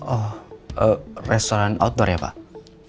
oh restoran outdoor ya pak